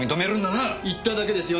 行っただけですよ。